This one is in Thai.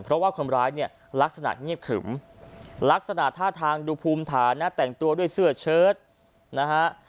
เพราะว่าคนร้ายเนี่ยลักษณะเงียบขรึมลักษณะท่าทางดูภูมิฐานนะแต่งตัวด้วยเสื้อเชิดนะฮะ